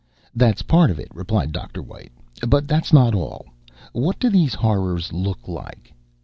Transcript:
"That's part of it," replied Dr. White, "but that's not all. What do these Horrors look like?"